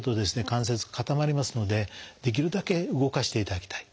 関節固まりますのでできるだけ動かしていただきたい。